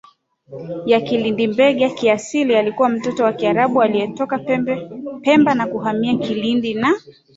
ya KilindiMbegha kiasili alikuwa mtoto wa Mwarabu aliyetoka Pemba na kuhamia Kilindi na